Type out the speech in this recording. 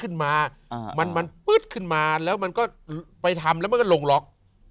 ขึ้นมามันมันปึ๊ดขึ้นมาแล้วมันก็ไปทำแล้วมันก็ลงล็อก